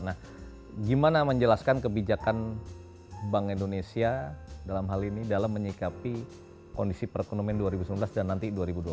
nah gimana menjelaskan kebijakan bank indonesia dalam hal ini dalam menyikapi kondisi perekonomian dua ribu sembilan belas dan nanti dua ribu dua puluh